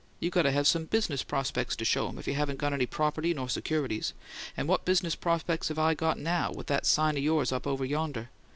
You got to have some BUSINESS prospects to show 'em, if you haven't got any property nor securities; and what business prospects have I got now, with that sign of yours up over yonder?